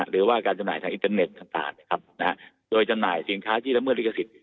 หรือว่าการจำหน่ายทางอินเทอร์เน็ตต่างนะครับโดยจำหน่ายสินค้าที่ละเมิดลิขสิทธิ